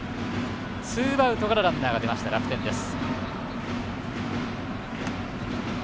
ツーアウトからランナーが出ました、楽天戦です。